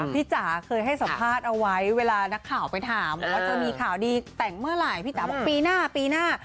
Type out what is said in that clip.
จ๋าเคยให้สัมภาษณ์เอาไว้เวลานักข่าวไปถามว่าจะมีข่าวดีแต่งเมื่อไหร่พี่จ๋าบอกปีหน้าปีหน้า